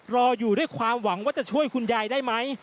รออยู่ด้วยความหวังว่าจะช่วยคุณยายได้ไหม